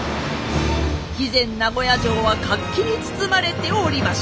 肥前名護屋城は活気に包まれておりました。